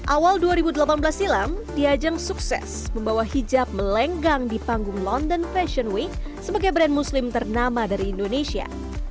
awal dua ribu delapan belas silam diajeng sukses membawa hijab melenggang di panggung london fashion week sebagai brand muslim ternama dari indonesia